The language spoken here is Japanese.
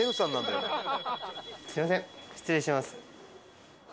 すみません失礼します。